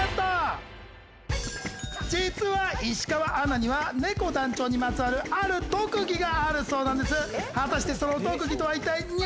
実は石川アナにはねこ団長にまつわるある特技があるそうなんです。